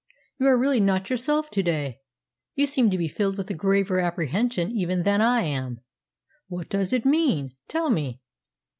You are really not yourself to day. You seem to be filled with a graver apprehension even than I am. What does it mean? Tell me."